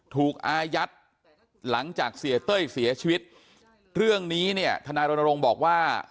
อายัดหลังจากเสียเต้ยเสียชีวิตเรื่องนี้เนี่ยทนายรณรงค์บอกว่า